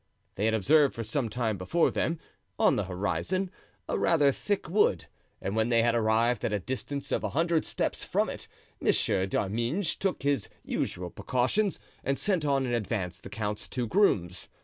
They had observed for some time before them, on the horizon, a rather thick wood; and when they had arrived at a distance of a hundred steps from it, Monsieur d'Arminges took his usual precautions and sent on in advance the count's two grooms.